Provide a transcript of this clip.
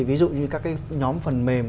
ví dụ như các cái nhóm phần mềm